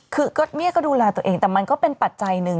คือก็เนี่ยก็ดูแลตัวเองแต่มันก็เป็นปัจจัยหนึ่ง